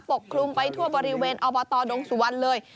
กคลุมไปทั่วบริเวณอบตดงสุวรรณเลย